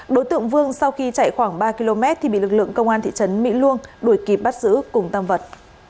đối tượng vương sau khi chạy khoảng ba km thì bị lực lượng công an thị trấn mỹ luông đuổi kịp bắt giữ cùng tam vật